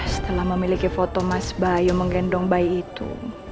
setelah memiliki foto mas bayu menggendong bayi itu